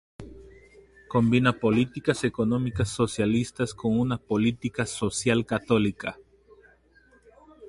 Combina políticas económicas socialistas con una política social católica.